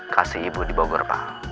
kasih ibu di bogor pak